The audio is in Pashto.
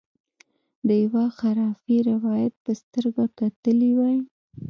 د یوه خرافي روایت په سترګه کتلي وای.